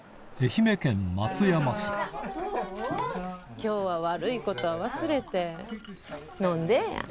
今日は悪いことは忘れて飲んでぇや。